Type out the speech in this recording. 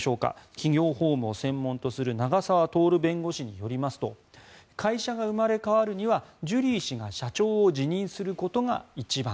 企業法務を専門とする永沢徹弁護士によりますと会社が生まれ変わるにはジュリー氏が社長を辞任することが一番。